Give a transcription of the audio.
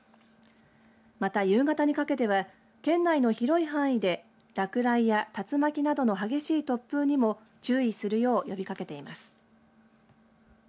また、夕方にかけては県内の広い範囲で落雷や竜巻などの激しい突風にも注意するよう呼びかけています。